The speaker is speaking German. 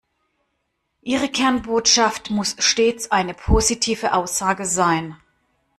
Ihre Kernbotschaft muss stets eine positive Aussage sein.